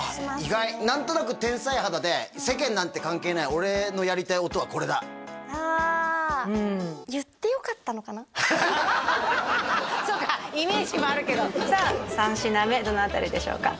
意外何となく天才肌で世間なんて関係ない俺のやりたい音はこれだそうかイメージもあるけどさあ三品目どの辺りでしょうか？